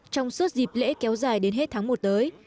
trong suốt dịp lễ kéo dài đến hết tháng một tới